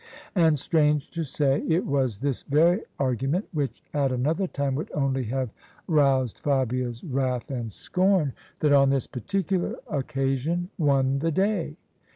And, strange to say, it was this very argument — ^which at another time would only have roused Fabia's wrath and scorn — that on this particular occasion won the day.